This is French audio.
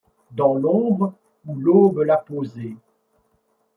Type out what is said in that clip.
Dans lombre où l'aube l'a posée.